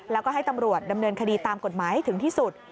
แล้วก็ให้ตำรวจดำเนินคดีตามกฎหมายให้ถึงที่สุด